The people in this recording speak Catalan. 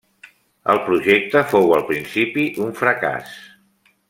El projecte fou al principi un fracàs.